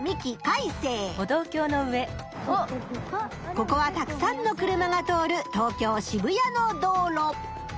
ここはたくさんの車が通る東京・渋谷の道路。